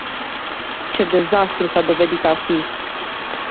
Ce dezastru s-a dovedit a fi!